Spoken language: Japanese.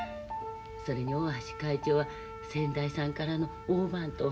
それに大橋会長は先代さんからの大番頭はん。